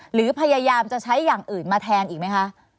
หรือพยายามจะใช้อย่างอื่นมาแทนอีกไหมคะ